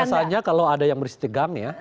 biasanya kalau ada yang beristigang ya